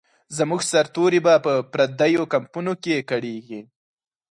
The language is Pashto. زموږ سرتوري به په پردیو کمپونو کې کړیږي.